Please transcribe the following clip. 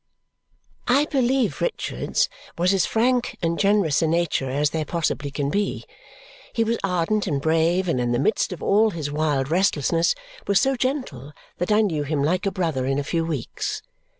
I believe Richard's was as frank and generous a nature as there possibly can be. He was ardent and brave, and in the midst of all his wild restlessness, was so gentle that I knew him like a brother in a few weeks.